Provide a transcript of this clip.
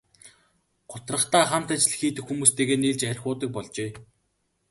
Гутрахдаа хамт ажил хийдэг хүмүүстэйгээ нийлж архи уудаг болжээ.